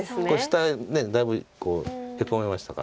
下だいぶヘコみましたから。